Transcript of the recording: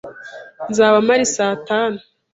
Nzaba mpari saa tanu.